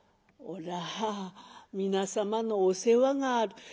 「おら皆様のお世話がある」。